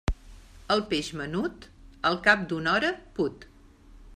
El peix menut, al cap d'una hora put.